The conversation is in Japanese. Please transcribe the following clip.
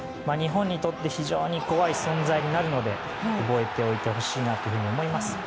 日本にとって非常に怖い存在になるので覚えておいてほしいなと思います。